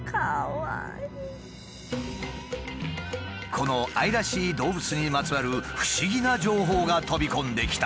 この愛らしい動物にまつわる不思議な情報が飛び込んできた。